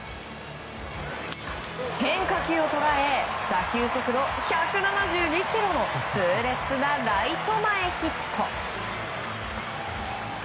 変化球を捉え打球速度１７２キロの痛烈なライト前ヒット。